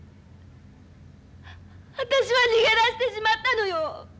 私は逃げ出してしまったのよ！